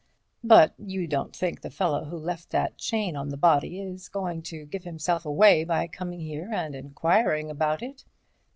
"But you don't think the fellow who left that chain on the body is going to give himself away by coming here and enquiring about it?"